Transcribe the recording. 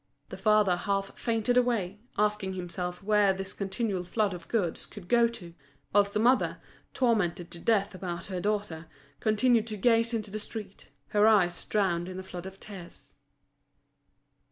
The father half fainted away, asking himself where this continual flood of goods could go to; whilst the mother, tormented to death about her daughter, continued to gaze into the street, her eyes drowned in a flood of tears.